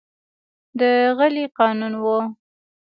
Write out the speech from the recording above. د غلې قانون و.